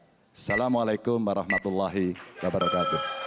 assalamualaikum warahmatullahi wabarakatuh